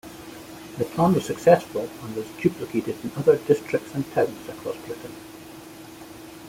The plan was successful and was duplicated in other districts and towns across Britain.